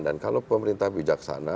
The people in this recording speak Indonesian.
dan kalau pemerintah bijaksana